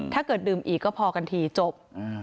ถ้าเกิดดื่มอีกก็พอกันทีจบ